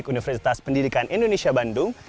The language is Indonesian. universitas pendidikan indonesia bandung